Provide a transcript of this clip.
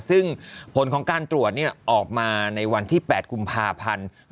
ซึ่งผลของการตรวจออกมาในวันที่๘กุมภาพันธ์